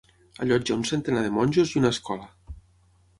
Allotja un centenar de monjos i una escola.